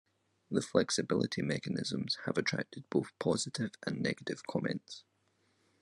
The flexibility mechanisms have attracted both positive and negative comments.